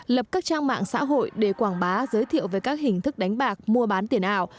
lập các trang mạng xã hội để quảng bá giới thiệu về các hình thức đánh bạc mua bán tiền ảo